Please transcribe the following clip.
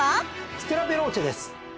ステラヴェローチェです。